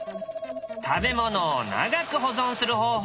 食べ物を長く保存する方法